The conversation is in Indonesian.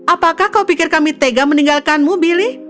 apakah kau pikir kami tega meninggalkanmu billy